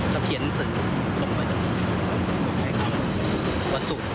เขาเขียนสิ่งส่งไปจากที่นี่